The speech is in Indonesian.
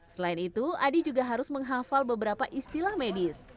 selain itu adi juga harus menghafal beberapa istilah medis